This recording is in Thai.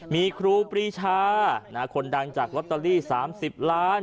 มีครูปรีชาคนดังจากลอตเตอรี่๓๐ล้าน